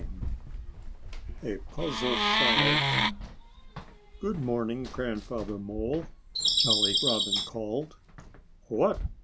XVII A PUZZLE SOLVED "Good morning, Grandfather Mole!" Jolly Robin called. "What!"